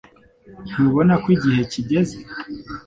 Ntubona ko igihe kigeze